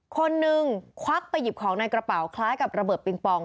คนหนึ่งควักไปหยิบของในกระเป๋าคล้ายกับระเบิดปิงปอง